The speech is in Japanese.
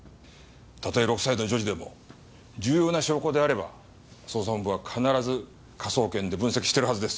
たとえ６歳の女児でも重要な証拠であれば捜査本部は必ず科捜研で分析してるはずです！